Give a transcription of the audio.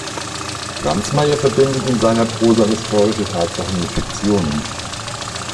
Ransmayr verbindet in seiner Prosa historische Tatsachen mit Fiktionen.